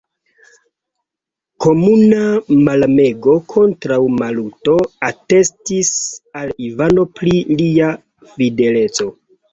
Komuna malamego kontraŭ Maluto atestis al Ivano pri lia fideleco.